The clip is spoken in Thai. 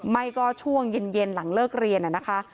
ไม่ก็ช่วงเย็นหลังเลิกเรียนนะคะ